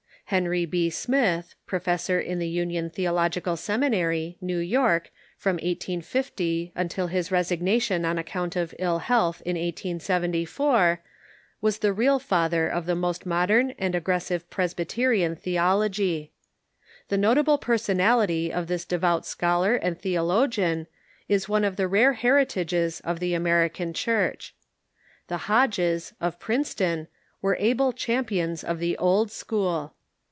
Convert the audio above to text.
Henry B. Smith, professor in the Union Theological Seminary, New York, from 1850 until his resignation on account of ill health in 18'74, was the real father of the most modern and ag gressive Presbyterian theology. The noble personality of this devout scholar and theologian is one of the rare heritages of the American Church. The Hodges, of Princeton, were able champions of the Old School.